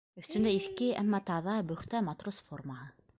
Өҫтөндә иҫке, әммә таҙа, бөхтә матрос формаһы.